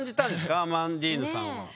アマンディーヌさんは。